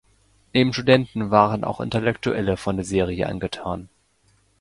Neben Studenten waren auch Intellektuelle von der Serie angetan.